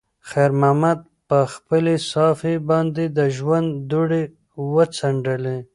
خیر محمد په خپلې صافې باندې د ژوند دوړې وڅنډلې.